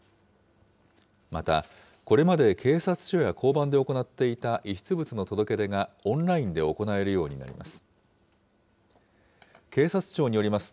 また、これまで警察署や交番で行っていた遺失物の届け出がオンラインで行えるようになります。